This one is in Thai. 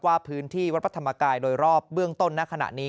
ว่าพื้นที่วัดพระธรรมกายโดยรอบเบื้องต้นณขณะนี้